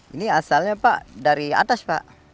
ini asalnya pak dari atas pak